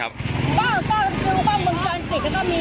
พ่อบอกว่าไฟไหม้ไฟไหม้ร้านจะไก่